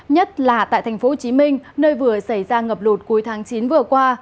nhất là tại tp hcm nơi vừa xảy ra ngập lụt cuối tháng chín vừa qua